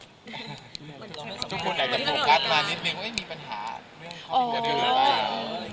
ทุกคนอาจจะโฟกัสมานิดหนึ่งว่ามีปัญหาเรื่องข้อมูลกันอื่นหรือเปล่า